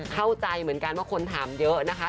เข้าใจเหมือนกันว่าคนถามเยอะนะคะ